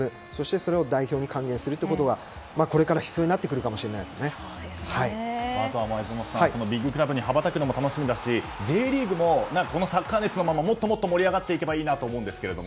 それを代表に還元するということがこれから必要に前園さん、ビッグクラブに羽ばたくのも楽しみだしＪリーグもこのサッカー熱がもっともっと盛り上がっていけばいいなと思うんですが。